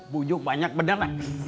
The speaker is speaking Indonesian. bujuk banyak bener